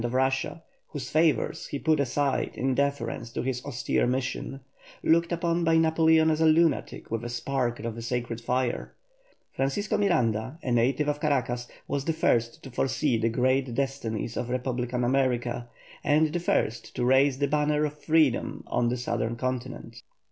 of Russia, whose favours he put aside in deference to his austere mission, looked upon by Napoleon as a lunatic with a spark of the sacred fire, FRANCISCO MIRANDA, a native of Caracas, was the first to foresee the great destinies of republican America, and the first to raise the banner of freedom on the southern continent.